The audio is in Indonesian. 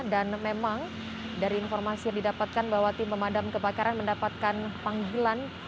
dan memang dari informasi yang didapatkan bahwa tim pemadam kebakaran mendapatkan panggilan